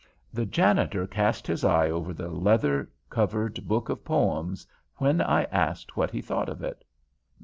The janitor cast his eye over the leather covered book of poems when I asked what he thought of it.